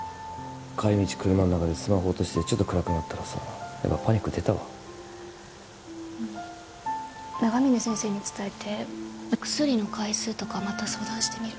帰り道車ん中でスマホ落としてちょっと暗くなったらさやっぱパニック出たわ長峰先生に伝えてお薬の回数とかまた相談してみる